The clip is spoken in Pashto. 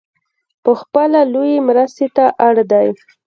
پخپله لویې مرستې ته اړ دی .